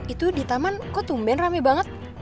itu di taman kok tumben rame banget